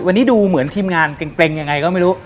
วันนี้ดูเหมือนทีมงานเกร็งยังไงก็ไม่รู้